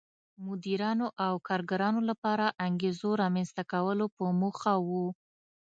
مدیرانو او کارګرانو لپاره انګېزو رامنځته کولو په موخه و.